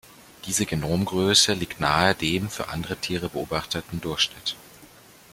Diese Genomgröße liegt nahe dem für andere Tiere beobachteten Durchschnitt.